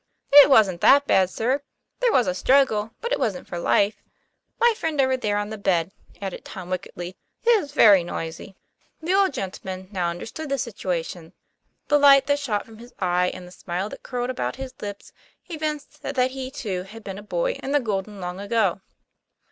"It wasn't that bad, sir. There was a struggle; but it wasn't for life. My friend over there on the bed," added Tom, wickedly, "is very noisy." The old gentleman now understood the situation; the light that shot from his eye and the smile that curled about his lips evinced that he too had been a boy in the golden long ago.